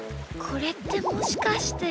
これってもしかして。